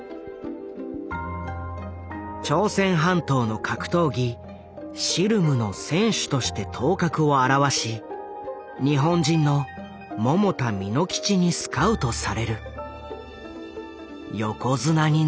朝鮮半島の格闘技シルムの選手として頭角を現し日本人の百田巳之吉にスカウトされる。